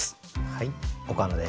はい岡野です。